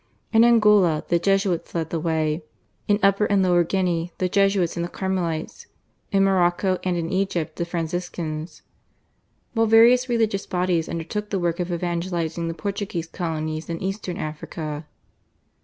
In Angola the Jesuits led the way, in Upper and Lower Guinea the Jesuits and the Carmelites, in Morocco and in Egypt the Franciscans, while various religious bodies undertook the work of evangelising the Portuguese colonies in Eastern Africa.